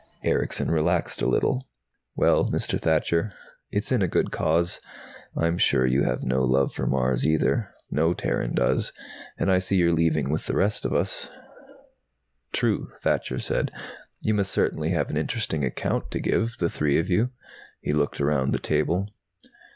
Erickson relaxed a little. "Well, Mr. Thacher, it's in a good cause. I'm sure you have no love for Mars, either. No Terran does. And I see you're leaving with the rest of us." "True," Thacher said. "You must certainly have an interesting account to give, the three of you." He looked around the table.